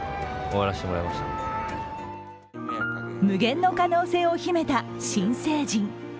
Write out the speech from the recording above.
無限の可能性を秘めた新成人。